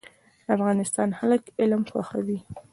د افغانستان خلک علم خوښوي